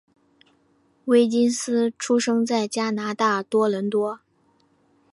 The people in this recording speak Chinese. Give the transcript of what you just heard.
威金斯出生在加拿大多伦多。